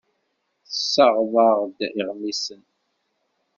Tessaɣeḍ-aɣ-d iɣmisen.